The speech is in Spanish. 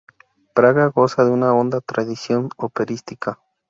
Praga goza de una honda tradición operística.